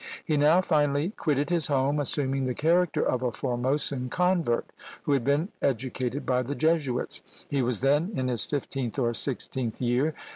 He now finally quitted his home, assuming the character of a Formosan convert, who had been educated by the Jesuits. He was then in his fifteenth or sixteenth year.